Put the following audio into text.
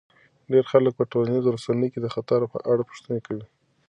ډیری خلک په ټولنیزو رسنیو کې د خطر په اړه پوښتنې کوي.